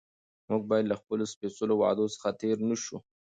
موږ باید له خپلو سپېڅلو وعدو څخه تېر نه شو